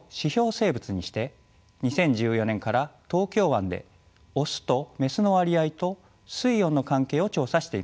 生物にして２０１４年から東京湾でオスとメスの割合と水温の関係を調査しています。